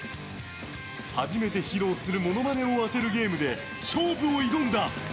初めて披露するモノマネを当てるゲームで勝負を挑んだ。